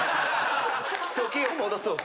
時を戻そう。